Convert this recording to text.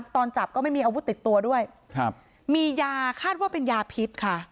ตอนจับก็ไม่มีอาวุธติดตัวด้วยครับมียาคาดว่าเป็นยาพิษค่ะ